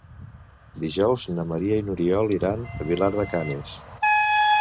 Dijous na Maria i n'Oriol iran a Vilar de Canes.